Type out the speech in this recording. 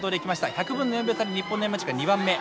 １００分の４秒差で日本の山口は２番目。